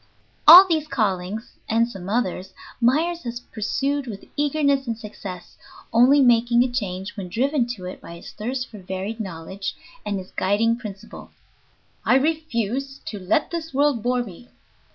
All these callings (and some others) Myers has pursued with eagerness and success, only making a change when driven to it by his thirst for varied knowledge and his guiding principle, "I refuse to let this world bore me."